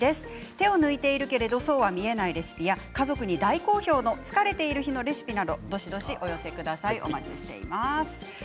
手を抜いているけどそうは見えないレシピや家族に大好評の疲れている日のレシピなどどしどしお寄せください。